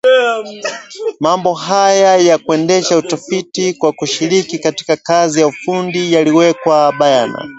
Mambo haya ya kuendesha utafiti kwa kushiriki katika kazi ya ufundi yaliwekwa bayana